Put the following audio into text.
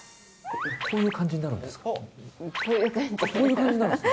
こういう感じになるんですか？